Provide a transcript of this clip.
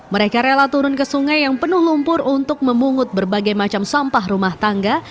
mereka rela turun ke sungai yang penuh lumpur untuk memungut berbagai macam sampah rumah tangga